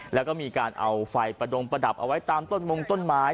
แล้วก็มีการเอาไฟประดงประดับเอาไว้ตามต้นมงต้นไม้